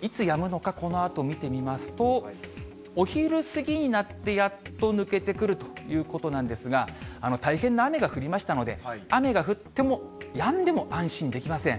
いつやむのか、このあと見てみますと、お昼過ぎになって、やっと抜けてくるということなんですが、大変な雨が降りましたので、雨が降ってもやんでも、安心できません。